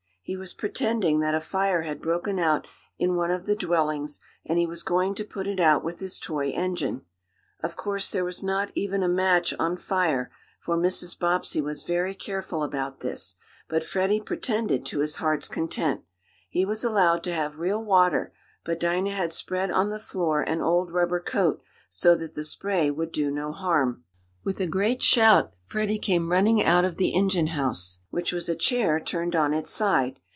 He was pretending that a fire had broken out in one of the dwellings and he was going to put it out with his toy engine. Of course there was not even a match on fire, for Mrs. Bobbsey was very careful about this, but Freddie pretended to his heart's content. He was allowed to have real water, but Dinah had spread on the floor an old rubber coat so that the spray would do no harm. With a great shout Freddie came running out of the "engine house," which was a chair turned on its side.